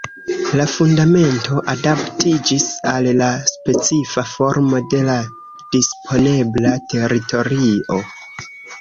La fundamento adaptiĝis al la specifa formo de la disponebla teritorio.